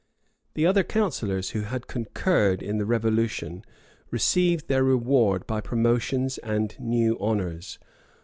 The other counsellors, who had concurred in the revolution, received their reward by promotions and new honors.